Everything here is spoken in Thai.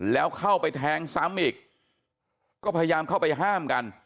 แล้วเข้าไปแทงซ้ำอีกก็พยายามเข้าไปห้ามกัน